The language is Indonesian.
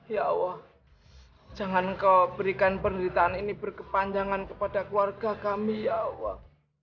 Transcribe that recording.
ya allah jangan kau berikan penderitaan ini berkepanjangan kepada keluarga kami ya allah